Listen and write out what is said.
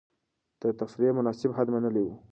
ده د تفريح مناسب حد منلی و.